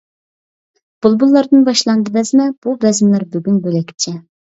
بۇلبۇللاردىن باشلاندى بەزمە، بۇ بەزمىلەر بۈگۈن بۆلەكچە.